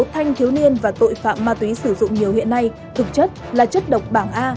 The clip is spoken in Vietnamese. một thanh thiếu niên và tội phạm ma túy sử dụng nhiều hiện nay thực chất là chất độc bảng a